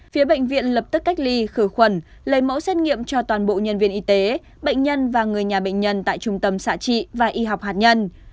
phía bệnh viện lập tức cách ly khử khuẩn lấy mẫu xét nghiệm cho toàn bộ nhân viên y tế bệnh nhân và người nhà bệnh nhân tại trung tâm xã trị và y học hạt nhân